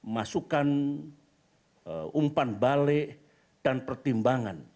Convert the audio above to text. masukan umpan balik dan pertimbangan